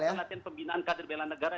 kita melatih pembinaan kader belan negara